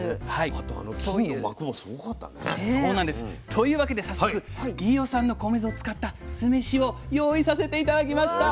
というわけで早速飯尾さんの米酢を使った酢飯を用意させて頂きました！